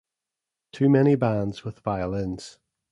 Too many bands with violins.